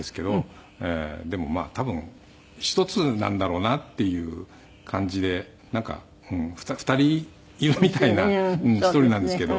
でもまあ多分１つなんだろうなっていう感じでなんか２人いるみたいな１人なんですけど。